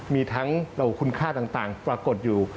มีทั้งคุณค่าต่างปรากฏอยู่